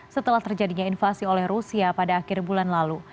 setelah terjadinya invasi oleh rusia pada akhir bulan lalu